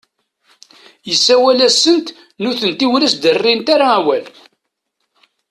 Yessawel-asent, nutenti ur as-d-rrint ara awal.